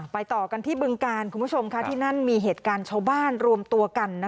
ต่อกันที่บึงกาลคุณผู้ชมค่ะที่นั่นมีเหตุการณ์ชาวบ้านรวมตัวกัน